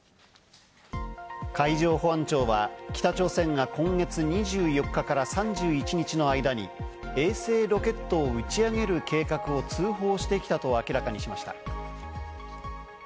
海上保安庁は、北朝鮮が今月２４日から３１日の間に衛星ロケットを打ち上げる計画を通報してきたと明らかにしました。